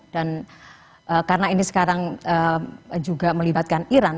dan karena ini sekarang juga melibatkan iran